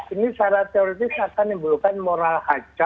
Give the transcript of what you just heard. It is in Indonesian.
ini secara teori akan menimbulkan moral hajat gitu ya